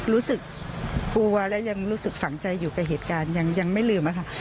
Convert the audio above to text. รู้สึกกลัวและยังรู้สึกฝังใจอยู่กับเหตุการณ์ยังไม่ลืมค่ะ